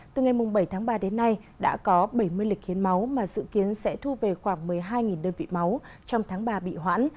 từ ngày bảy tháng ba đến nay đã có bảy mươi lịch hiến máu mà dự kiến sẽ thu về khoảng một mươi hai đơn vị máu trong tháng ba bị hoãn